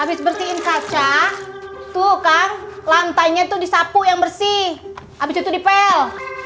abis bersihin kaca tuh kang lantainya tuh disapu yang bersih abis itu dipel